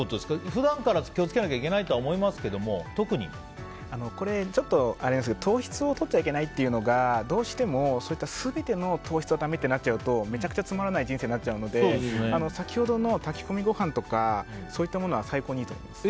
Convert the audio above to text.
普段から気をつけなきゃいけないとは思いますけども糖質をとっちゃいけないというのが全ての糖質がダメってなっちゃうとめちゃくちゃつまらない人生になっちゃうので先ほどの炊き込みご飯とかそういうものはいいと思います。